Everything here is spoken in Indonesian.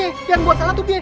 yang buat salah tuh dia